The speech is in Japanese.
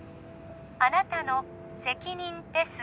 あなたの責任です